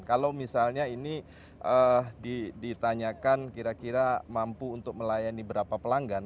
kalau misalnya ini ditanyakan kira kira mampu untuk melayani berapa pelanggan